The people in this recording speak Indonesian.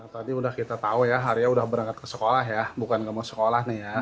tadi kita tahu arya sudah berangkat ke sekolah bukan mau sekolah